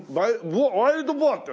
ワイルドボーアって何？